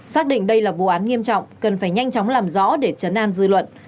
xác định đây là vụ án nghiêm trọng cần phải nhanh chóng làm rõ để chấn an dư luận